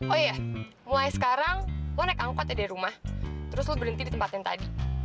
oh iya mulai sekarang gue naik angkot ya dari rumah terus lo berhenti di tempat yang tadi